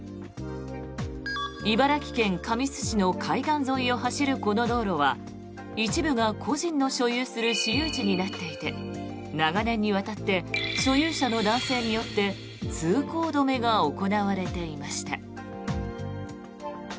茨城県神栖市の海岸沿いを走るこの道路は一部が個人の所有する私有地になっていて長年にわたって所有者の男性によって通行止めが行われていました。